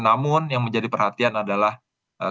namun yang menjadi perhatian adalah